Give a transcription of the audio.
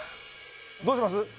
どうします？